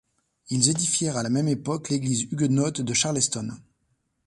Ils édifièrent à la même époque l'église huguenote de Charleston.